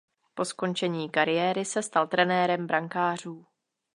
Po skončení kariéry se stal trenérem brankářů.